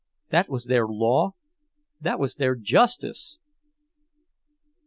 That was their law, that was their justice!